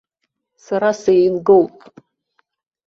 Сара сеилгоуп.